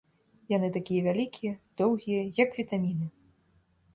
Яны такія вялікія, доўгія, як вітаміны.